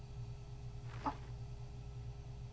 あっ。